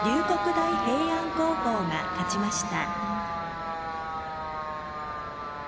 大平安高校が勝ちました。